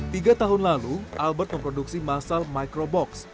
tiga tahun lalu albert memproduksi massal micro box